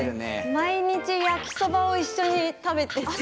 毎日焼きそばを一緒に食べてて。